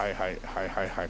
はいはいはい。